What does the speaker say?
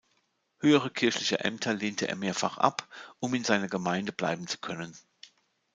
Höhere kirchliche Ämter lehnte er mehrfach ab, um in seiner Gemeinde bleiben zu können.